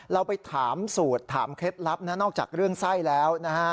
เราไปถามสูตรถามเคล็ดลับนะนอกจากเรื่องไส้แล้วนะฮะ